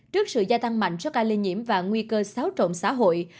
trước sự gia tăng mạnh cho ca lây nhiễm và nguy cơ xáo trộm xã hội